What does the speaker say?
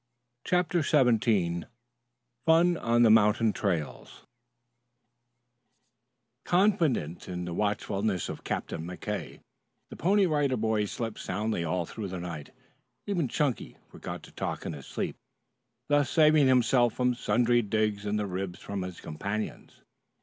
CHAPTER XVII FUN ON THE MOUNTAIN TRAILS Confident in the watchfulness of Captain McKay the Pony Rider Boys slept soundly all through that night. Even Chunky forgot to talk in his sleep, thus saving himself from sundry digs in the ribs from his companions.